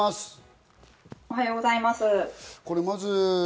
おはようございます。